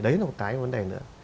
đấy là một cái vấn đề nữa